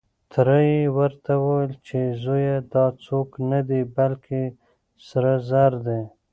تره يې ورته وويل چې زويه دا څوک نه دی، بلکې سره زر دي.